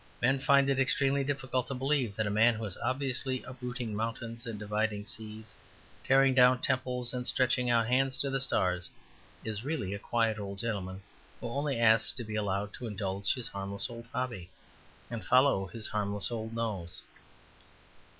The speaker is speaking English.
Men find it extremely difficult to believe that a man who is obviously uprooting mountains and dividing seas, tearing down temples and stretching out hands to the stars, is really a quiet old gentleman who only asks to be allowed to indulge his harmless old hobby and follow his harmless old nose.